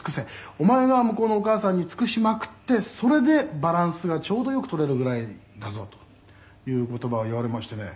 「お前が向こうのお義母さんに尽くしまくってそれでバランスがちょうどよく取れるぐらいだぞ”という言葉を言われましてね」